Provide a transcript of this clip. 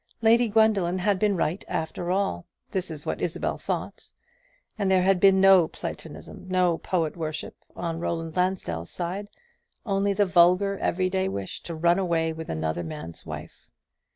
Lady Gwendoline had been right, after all, this is what Isabel thought, and there had been no platonism, no poet worship on Roland Lansdell's side; only the vulgar every day wish to run away with another man's wife.